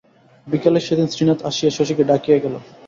বিকালে সেদিন শ্রীনাথ আসিয়া শশীকে ডাকিয়া গেল।